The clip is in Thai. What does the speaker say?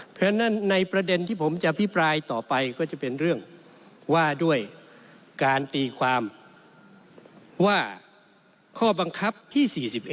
เพราะฉะนั้นในประเด็นที่ผมจะอภิปรายต่อไปก็จะเป็นเรื่องว่าด้วยการตีความว่าข้อบังคับที่๔๑